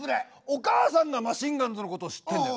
お母さんがマシンガンズのことを知ってんのよ。